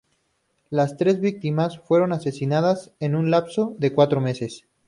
Las tres víctimas fueron asesinadas en un lapso de cuatro meses.